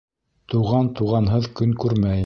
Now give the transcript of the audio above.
Туған туғанһыҙ көн күрмәй.